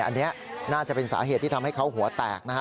อันนี้น่าจะเป็นสาเหตุที่ทำให้เขาหัวแตกนะฮะ